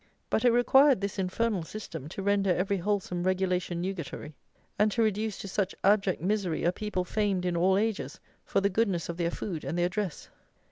But it required this infernal system to render every wholesome regulation nugatory; and to reduce to such abject misery a people famed in all ages for the goodness of their food and their dress.